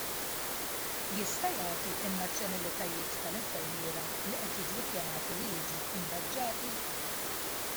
Jista' jagħti n-nazzjonalitajiet tal-infermiera li qed jiġu ppjanati li jiġu ingaġġati?